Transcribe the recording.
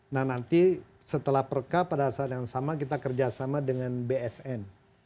nah nanti setelah perka pada saat yang sama kita kerjasama dengan bsn